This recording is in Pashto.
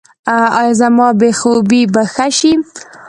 ایا زما بې خوبي به ښه شي؟